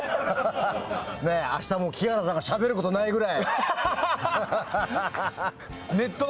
ねえ、明日も木原さんがしゃべることないぐらい。